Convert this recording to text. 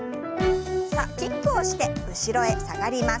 さあキックをして後ろへ下がります。